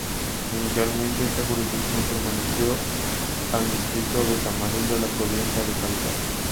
Inicialmente esta jurisdicción perteneció al distrito de Tamarindo de la provincia de Paita.